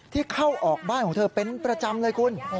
ที่เข้าออกบ้านของเธอเป็นประจำเลยคุณ